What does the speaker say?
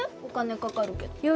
お金かかるけど